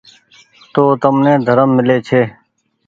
تو تمني ڌرم ميلي ڇي۔